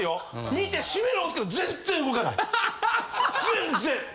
見て閉める押すけど全然動かない全然！